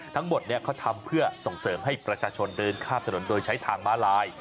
ทั้งหมดเขาทำเพื่อส่งเสริมให้ประชาชนเดินข้ามถนนโดยใช้ทางม้าลาย